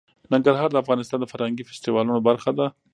ننګرهار د افغانستان د فرهنګي فستیوالونو برخه ده.